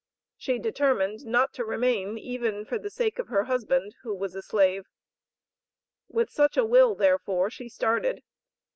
She determined not to remain even for the sake of her husband, who was a slave. With such a will, therefore, she started.